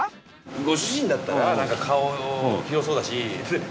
ご主人だったら顔広そうだし。